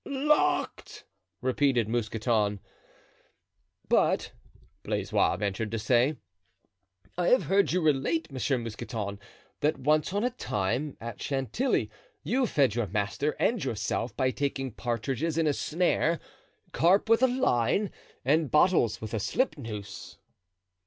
"Locked!" repeated Mousqueton. "But," Blaisois ventured to say, "I have heard you relate, Monsieur Mousqueton, that once on a time, at Chantilly, you fed your master and yourself by taking partridges in a snare, carp with a line, and bottles with a slipnoose."